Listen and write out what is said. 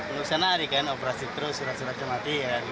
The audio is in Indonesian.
nusana adik kan operasi terus surat surat kematian gitu